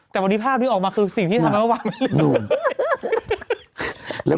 แต่วันนี้ภาพนี้ออกมาคือสิ่งที่ทำให้พระบาปไม่เหลือ